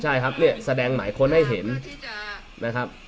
ใช่ครับเนี่ยแสดงหมายค้นให้เห็นนะครับ